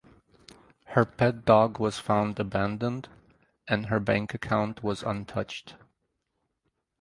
Her pet dog was found abandoned and her bank account was untouched.